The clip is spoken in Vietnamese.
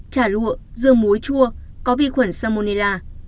chả lụa dưa muối chua có vi khuẩn salmonella